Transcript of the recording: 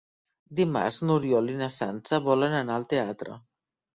Dimarts n'Oriol i na Sança volen anar al teatre.